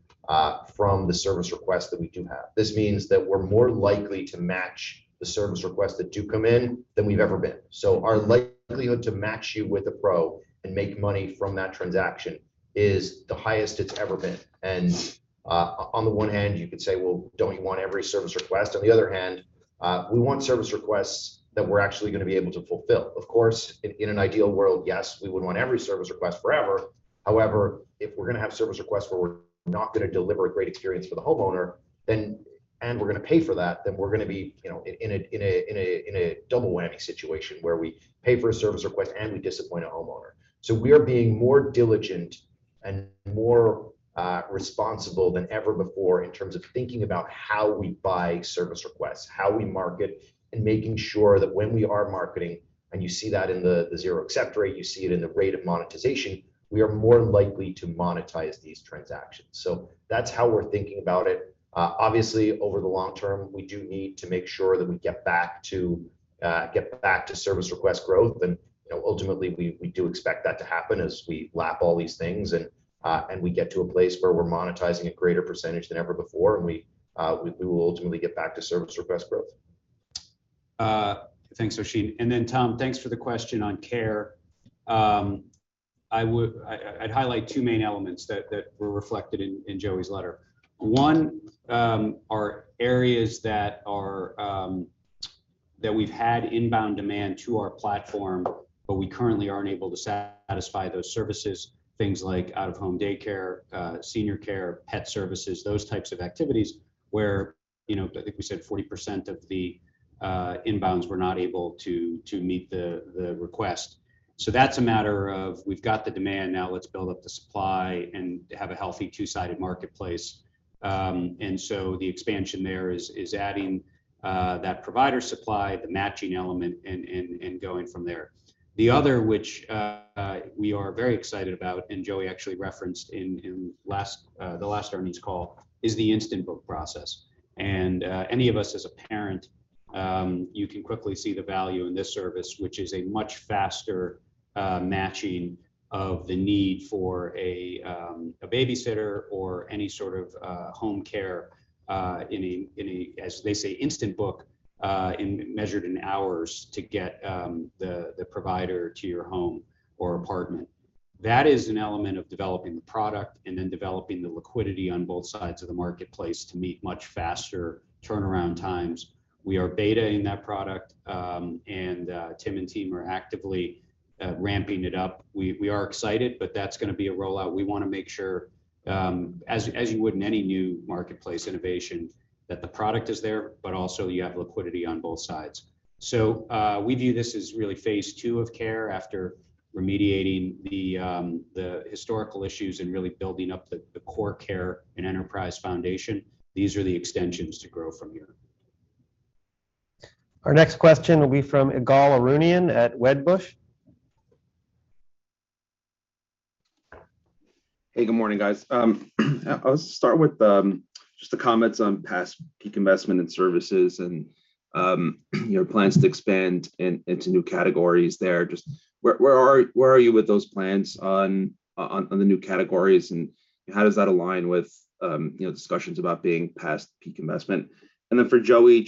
from the service requests that we do have. This means that we're more likely to match the service requests that do come in than we've ever been. Our likelihood to match you with a pro and make money from that transaction is the highest it's ever been. On the one hand, you could say, "Well, don't you want every service request?" On the other hand, we want service requests that we're actually gonna be able to fulfill. Of course, in an ideal world, yes, we would want every service request forever. However, if we're gonna have service requests where we're not gonna deliver a great experience for the homeowner, then and we're gonna pay for that, then we're gonna be, you know, in a double whammy situation where we pay for a service request and we disappoint a homeowner. We are being more diligent and more responsible than ever before in terms of thinking about how we buy service requests, how we market, and making sure that when we are marketing. You see that in the zero accept rate, you see it in the rate of monetization. We are more likely to monetize these transactions. That's how we're thinking about it. Obviously, over the long term, we do need to make sure that we get back to service request growth. Ultimately, we do expect that to happen as we lap all these things and we get to a place where we're monetizing a greater percentage than ever before. We will ultimately get back to service request growth. Thanks, Oisin Hanrahan. Then Tom, thanks for the question on care. I'd highlight two main elements that were reflected in Joey's letter. One are areas that we've had inbound demand to our platform, but we currently aren't able to satisfy those services, things like out-of-home daycare, senior care, pet services, those types of activities where I think we said 40% of the inbounds were not able to meet the request. That's a matter of we've got the demand, now let's build up the supply and have a healthy two-sided marketplace. The expansion there is adding that provider supply, the matching element, and going from there. The other, which we are very excited about, and Joey actually referenced in the last earnings call, is the instant book process. Any of us as a parent, you can quickly see the value in this service, which is a much faster matching of the need for a babysitter or any sort of home care in a, as they say, instant book measured in hours to get the provider to your home or apartment. That is an element of developing the product and then developing the liquidity on both sides of the marketplace to meet much faster turnaround times. We are beta in that product, and Tim and team are actively ramping it up. We are excited, but that's going to be a rollout. We want to make sure, as you would in any new marketplace innovation, that the product is there, but also you have liquidity on both sides. We view this as really phase two of Care after remediating the historical issues and really building up the core Care and enterprise foundation. These are the extensions to grow from here. Our next question will be from Ygal Arounian at Wedbush. Hey, good morning, guys. I'll start with just the comments on past peak investment in services and your plans to expand into new categories there. Just where are you with those plans on the new categories and how does that align with discussions about being past peak investment? For Joey,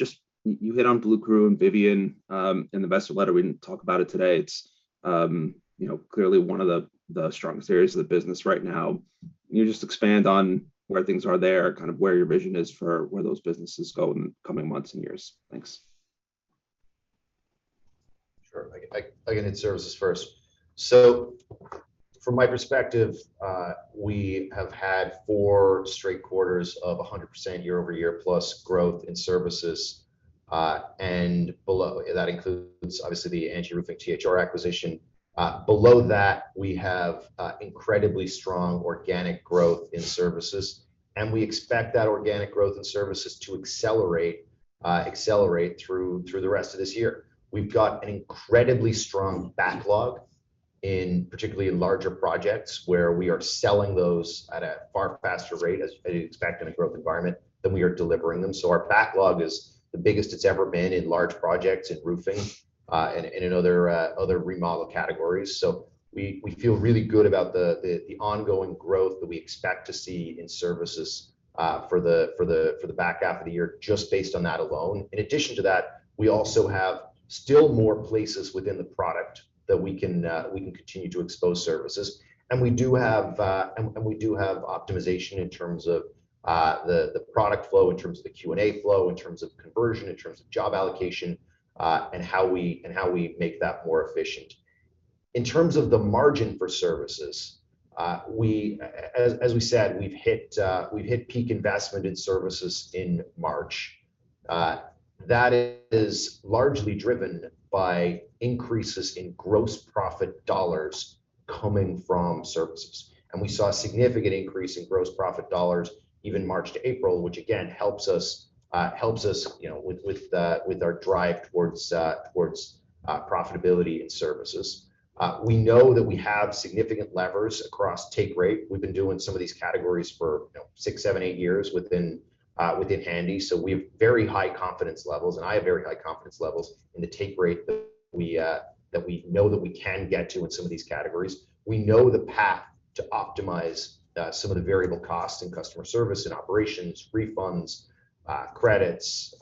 just you hit on Bluecrew and Vivian in the investor letter. We didn't talk about it today. It's clearly one of the strongest areas of the business right now. Can you just expand on where things are there, kind of where your vision is for where those businesses go in the coming months and years? Thanks. Sure. Again, it's services first. From my perspective, we have had four straight quarters of 100% year-over-year plus growth in services. Below that includes obviously the Angi Roofing THR acquisition. Below that, we have incredibly strong organic growth in services. We expect that organic growth in services to accelerate through the rest of this year. We've got an incredibly strong backlog in particularly larger projects where we are selling those at a far faster rate as you'd expect in a growth environment than we are delivering them. Our backlog is the biggest it's ever been in large projects in roofing and in other remodel categories. We feel really good about the ongoing growth that we expect to see in services for the back half of the year just based on that alone. In addition to that, we also have still more places within the product that we can continue to expose services. We do have optimization in terms of the product flow, in terms of the Q&A flow, in terms of conversion, in terms of job allocation and how we make that more efficient. In terms of the margin for services, as we said, we've hit peak investment in services in March. That is largely driven by increases in gross profit dollars coming from services. We saw a significant increase in gross profit dollars even March to April, which again helps us with our drive towards profitability in services. We know that we have significant levers across take rate. We've been doing some of these categories for six, seven, eight years within Handy. We have very high confidence levels and I have very high confidence levels in the take rate that we know that we can get to in some of these categories. We know the path to optimize some of the variable costs in customer service and operations, refunds, credits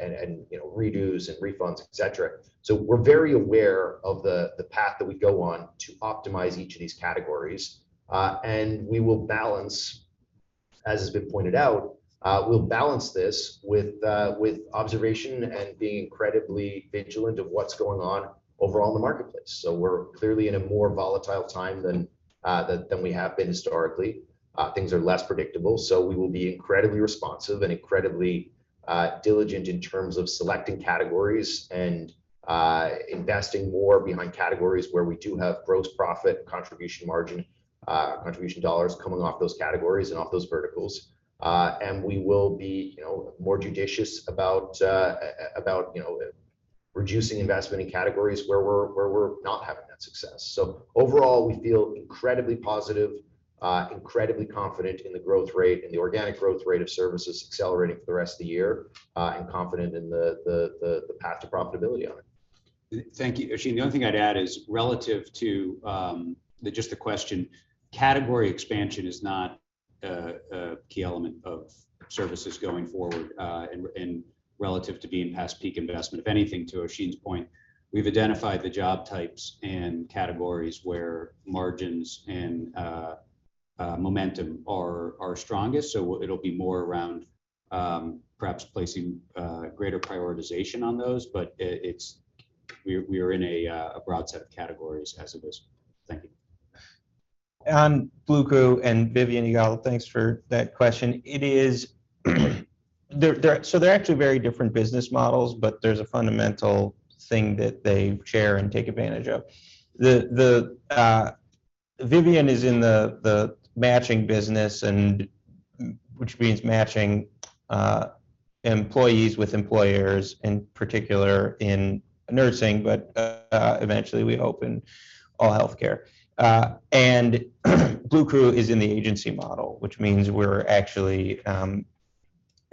and redos, et cetera. We're very aware of the path that we go on to optimize each of these categories. We will balance, as has been pointed out, this with observation and being incredibly vigilant of what's going on overall in the marketplace. We're clearly in a more volatile time than we have been historically. Things are less predictable. We will be incredibly responsive and incredibly diligent in terms of selecting categories and investing more behind categories where we do have gross profit contribution margin, contribution dollars coming off those categories and off those verticals. We will be more judicious about Reducing investment in categories where we're not having that success. Overall, we feel incredibly positive, incredibly confident in the growth rate, in the organic growth rate of services accelerating for the rest of the year, and confident in the path to profitability on it. Thank you. Oisin, the only thing I'd add is relative to just the question, category expansion is not a key element of services going forward, and relative to being past peak investment. If anything, to Oisin's point, we've identified the job types and categories where margins and momentum are strongest. It'll be more around perhaps placing greater prioritization on those, but it's we are in a broad set of categories as it is. Thank you. Bluecrew and Vivian, thanks for that question. They're actually very different business models, but there's a fundamental thing that they share and take advantage of. Vivian is in the matching business, which means matching employees with employers, in particular in nursing, but eventually we hope in all healthcare. Bluecrew is in the agency model, which means we're actually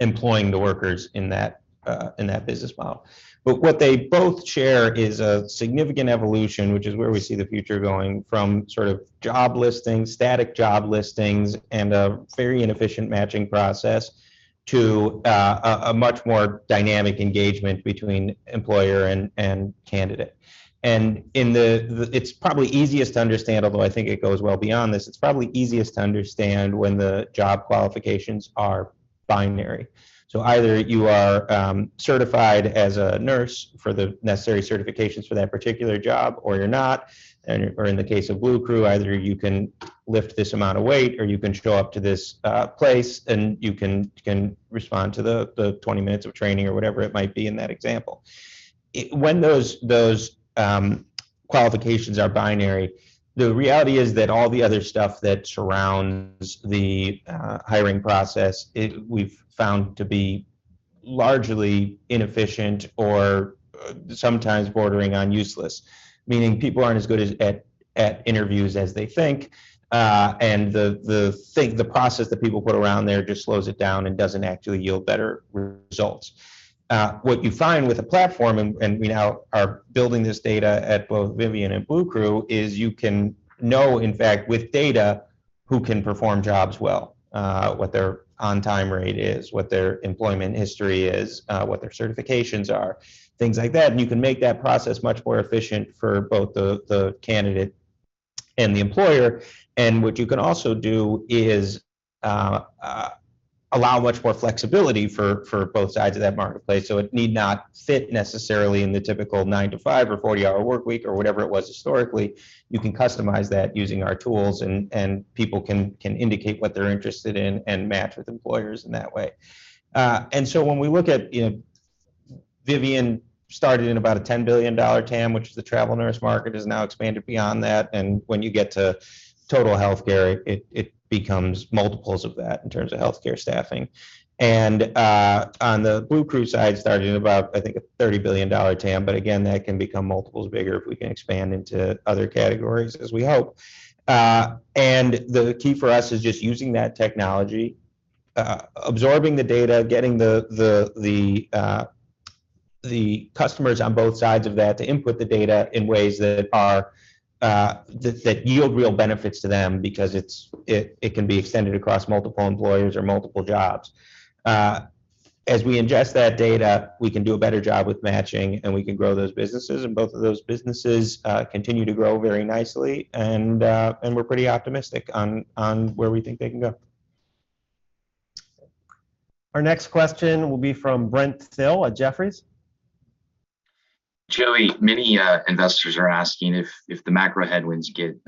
employing the workers in that business model. But what they both share is a significant evolution, which is where we see the future going from sort of job listings, static job listings, and a very inefficient matching process to a much more dynamic engagement between employer and candidate. It's probably easiest to understand, although I think it goes well beyond this, it's probably easiest to understand when the job qualifications are binary. Either you are certified as a nurse for the necessary certifications for that particular job or you're not, and or in the case of Bluecrew, either you can lift this amount of weight, or you can show up to this place, and you can respond to the 20 minutes of training or whatever it might be in that example. When those qualifications are binary, the reality is that all the other stuff that surrounds the hiring process, we've found to be largely inefficient or sometimes bordering on useless. Meaning, people aren't as good at interviews as they think, and the process that people put around there just slows it down and doesn't actually yield better results. What you find with a platform and we now are building this data at both Vivian and BlueCrew is you can know, in fact, with data who can perform jobs well, what their on-time rate is, what their employment history is, what their certifications are, things like that. You can make that process much more efficient for both the candidate and the employer. What you can also do is allow much more flexibility for both sides of that marketplace. It need not fit necessarily in the typical nine-to-five or 40-hour workweek or whatever it was historically. You can customize that using our tools and people can indicate what they're interested in and match with employers in that way. When we look at, you know, Vivian started in about a $10 billion TAM, which is the travel nurse market, has now expanded beyond that. When you get to total healthcare, it becomes multiples of that in terms of healthcare staffing. On the Bluecrew side, it started in about, I think, a $30 billion TAM. Again, that can become multiples bigger if we can expand into other categories as we hope. The key for us is just using that technology, absorbing the data, getting the customers on both sides of that to input the data in ways that yield real benefits to them because it can be extended across multiple employers or multiple jobs. As we ingest that data, we can do a better job with matching, and we can grow those businesses. Both of those businesses continue to grow very nicely. We're pretty optimistic on where we think they can go. Our next question will be from Brent Thill at Jefferies. Joey, many investors are asking if the macro headwinds get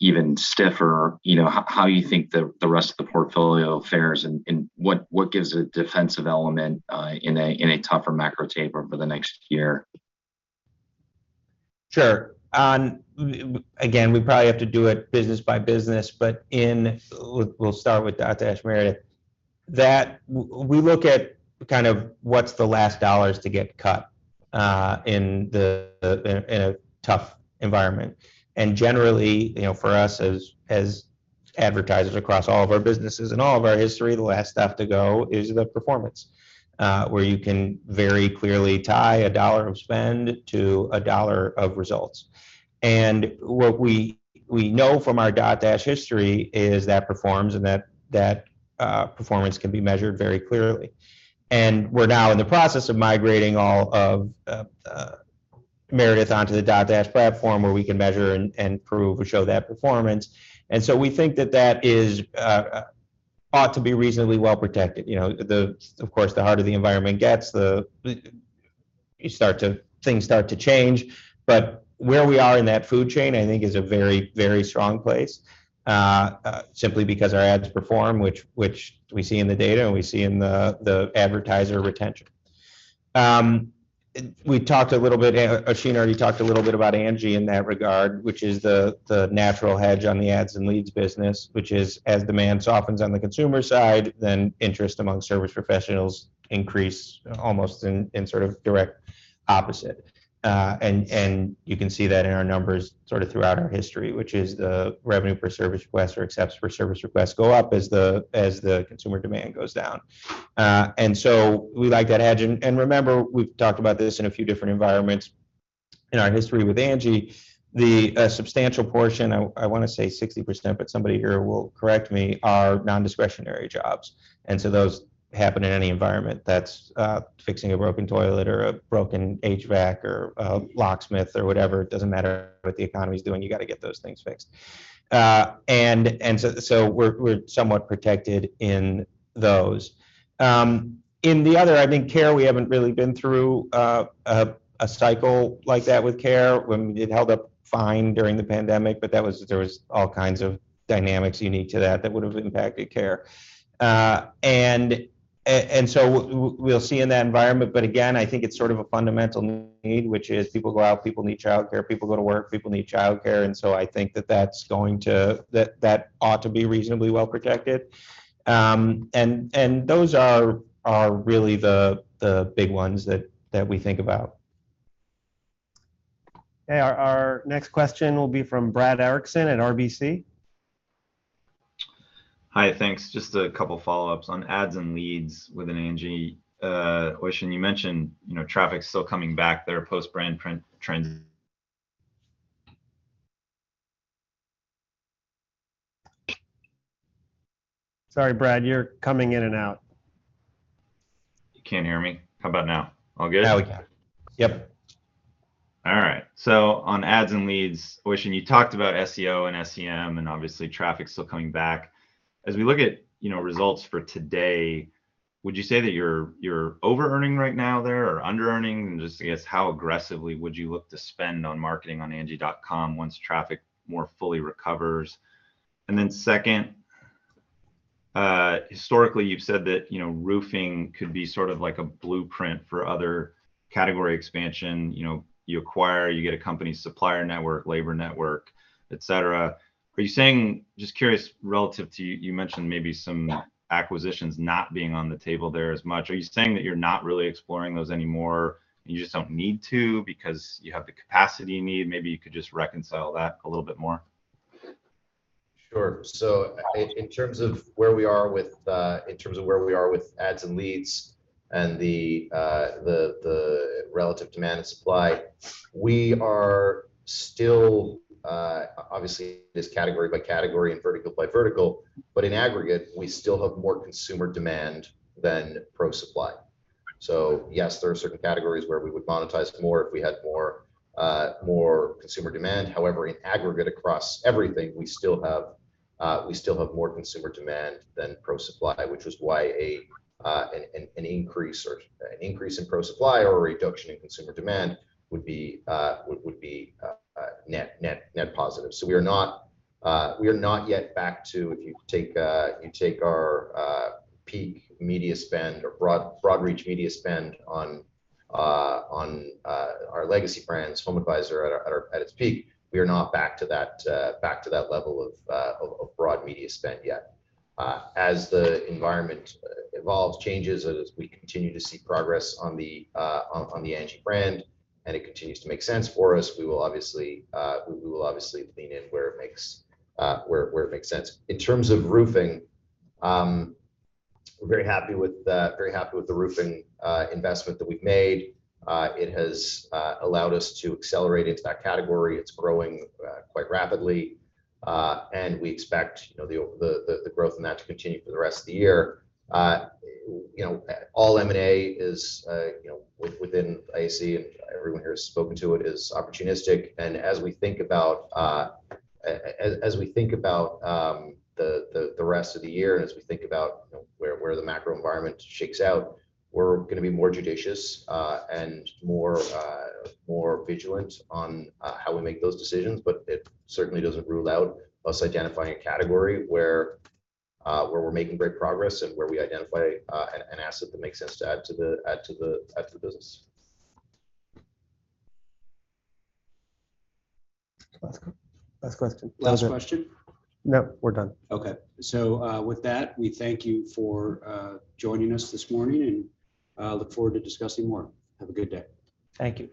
even stiffer, you know, how you think the rest of the portfolio fares and what gives a defensive element in a tougher macro taper for the next year? Sure. Again, we probably have to do it business by business, but we'll start with Dotdash Meredith. That we look at kind of what's the last dollars to get cut in a tough environment. Generally, you know, for us as advertisers across all of our businesses and all of our history, the last stuff to go is the performance where you can very clearly tie a dollar of spend to a dollar of results. What we know from our Dotdash history is that performs and that performance can be measured very clearly. We're now in the process of migrating all of Meredith onto the Dotdash platform, where we can measure and prove or show that performance. We think that that ought to be reasonably well protected. You know, of course, the harder the environment gets, things start to change. But where we are in that food chain, I think, is a very, very strong place, simply because our ads perform, which we see in the data and we see in the advertiser retention. We talked a little bit, Oisin already talked a little bit about Angi in that regard, which is the natural hedge on the ads and leads business, which is as demand softens on the consumer side, then interest among service professionals increase almost in sort of direct opposite. You can see that in our numbers sort of throughout our history, which is the revenue per service request or accepts per service request go up as the consumer demand goes down. We like that hedge. Remember, we've talked about this in a few different environments in our history with Angi, the substantial portion, I wanna say 60%, but somebody here will correct me, are non-discretionary jobs. Those happen in any environment. That's fixing a broken toilet or a broken HVAC or a locksmith or whatever. It doesn't matter what the economy's doing, you gotta get those things fixed. We're somewhat protected in those. In the other, I think Care, we haven't really been through a cycle like that with Care. It held up fine during the pandemic, but that was. There was all kinds of dynamics unique to that that would've impacted Care. We'll see in that environment, but again, I think it's sort of a fundamental need, which is people go out, people need childcare, people go to work, people need childcare, and so I think that's going to be reasonably well protected. Those are really the big ones that we think about. Okay. Our next question will be from Brad Erickson at RBC. Hi. Thanks. Just a couple follow-ups. On ads and leads within Angi, Oisin, you mentioned, you know, traffic's still coming back. There are positive brand print trends. Sorry, Brad, you're coming in and out. You can't hear me? How about now? All good? Now we can. All right. On ads and leads, Oisin, you talked about SEO and SEM, and obviously traffic's still coming back. As we look at, you know, results for today, would you say that you're overearning right now there or underearning? And just, I guess, how aggressively would you look to spend on marketing on angi.com once traffic more fully recovers? And then second, historically, you've said that, you know, roofing could be sort of like a blueprint for other category expansion. You know, you acquire, you get a company supplier network, labor network, et cetera. Are you saying just curious relative to you mentioned maybe some acquisitions not being on the table there as much. Are you saying that you're not really exploring those anymore, and you just don't need to because you have the capacity you need? Maybe you could just reconcile that a little bit more. Sure. In terms of where we are with ads and leads and the relative demand and supply, we are still obviously this category by category and vertical by vertical, but in aggregate, we still have more consumer demand than pro supply. Yes, there are certain categories where we would monetize more if we had more consumer demand. However, in aggregate across everything, we still have more consumer demand than pro supply, which is why an increase in pro supply or a reduction in consumer demand would be net positive. We are not yet back to if you take our peak media spend or broad reach media spend on our legacy brands, HomeAdvisor at its peak. We are not back to that level of broad media spend yet. As the environment evolves, changes, as we continue to see progress on the Angi brand, and it continues to make sense for us, we will obviously lean in where it makes sense. In terms of roofing, we're very happy with the roofing investment that we've made. It has allowed us to accelerate into that category. It's growing quite rapidly, and we expect, you know, the growth in that to continue for the rest of the year. You know, all M&A is within IAC, and everyone here has spoken to it, is opportunistic. As we think about the rest of the year and as we think about where the macro environment shakes out, we're gonna be more judicious and more vigilant on how we make those decisions. But it certainly doesn't rule out us identifying a category where we're making great progress and where we identify an asset that makes sense to add to the business. Last question. That was it. Last question? No, we're done. Okay. With that, we thank you for joining us this morning, and I look forward to discussing more. Have a good day. Thank you.